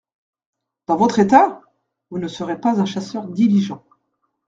Dans votre état !… vous ne serez pas un chasseur diligent.